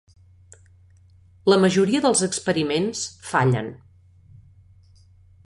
La majoria dels experiments fallen.